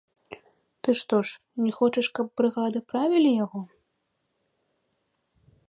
Ты што ж, не хочаш, каб брыгады правілі яго?